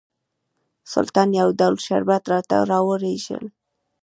سلطان یو ډول شربت راته راولېږل.